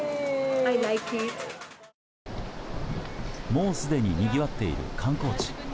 もうすでににぎわっている観光地。